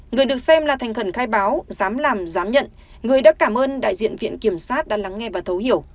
người được xem là thành khẩn khai báo dám làm dám nhận người đã cảm ơn đại diện viện kiểm sát đã lắng nghe và thấu hiểu